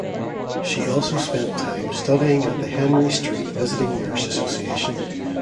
She also spent time studying at the Henry Street Visiting Nurse Association.